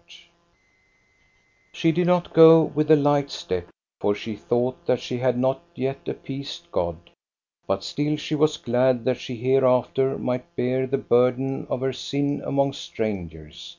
PENITENCE 279 She did not go with a light step, for she thought that she had not yet appeased God. But still she was glad that she hereafter might bear the burden of her sin among strangers.